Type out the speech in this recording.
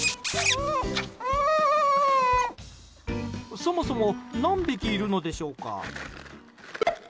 そもそも何匹いるのでしょうか？